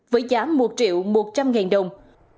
với giá một triệu một trăm linh ngàn đồng